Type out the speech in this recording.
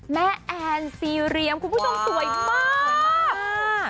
แอนซีเรียมคุณผู้ชมสวยมาก